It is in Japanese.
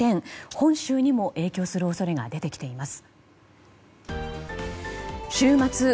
本州にも影響する恐れが出てきています。